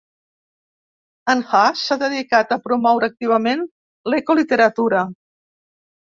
En Hass s'ha dedicat a promoure activament l'eco-literatura.